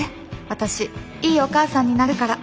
私いいお母さんになるから。